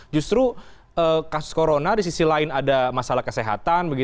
justru kasus corona di sisi lain ada masalah kesehatan